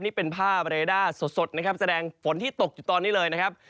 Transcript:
นี่เป็นภาพเรด้าสดนะครับแสดงฝนที่ตกอยู่ตอนนี้เลยนะครับ